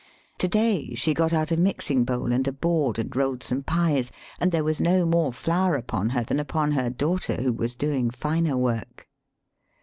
To day she got out a mixing bowl and a board, and rolled some pies, and there was no more flour upon her than upon her daughter who was doing finer work.